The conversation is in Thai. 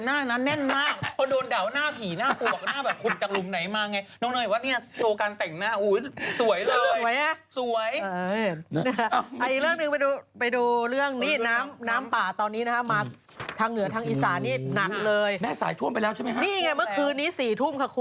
มันนี้คุชชันเต็มหน้าคนนั้นแน่นมาก